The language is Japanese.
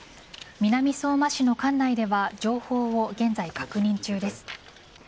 南相馬市の管内では情報を現在確認中です。